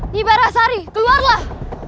nyi barahsari keluarlah